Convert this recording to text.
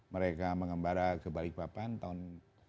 mereka mengembara ke balikpapan tahun seribu sembilan ratus empat puluh sembilan